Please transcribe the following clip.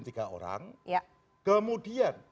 tiga orang kemudian